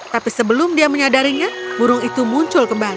tapi sebelum dia menyadarinya burung itu muncul kembali